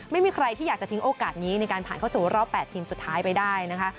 ไม่มีใครที่อยากจะทิ้งโอกาสนี้ในการผ่านเข้าสู่รอบ๘ทีมสุดท้ายไปได้นะคะ